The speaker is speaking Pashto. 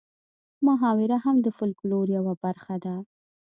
محاوره هم د فولکلور یوه برخه ده